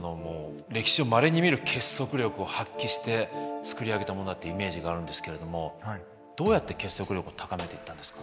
歴史上まれに見る結束力を発揮して作り上げたものだってイメージがあるんですけれどもどうやって結束力を高めていったんですか？